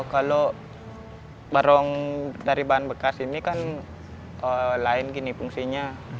kalau barong dari bahan bekas ini kan lain gini fungsinya